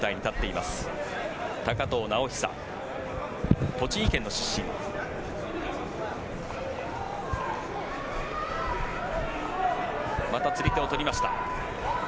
また釣り手を取りました。